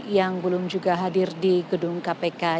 yang belum juga hadir di gedung kpk